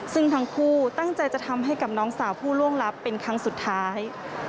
ซึ่งทั้งคู่ตั้งใจจะทำให้กับน้องสาวผู้ล่วงลับเป็นครั้งสุดท้าย